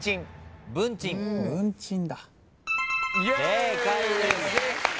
正解です。